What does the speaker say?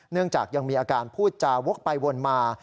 เนื่องจากยังมีอาการพูดจาวกไปวนมา